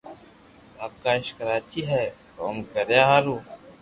آڪاݾ ڪراچي ھي ڪوم ڪريا ھارون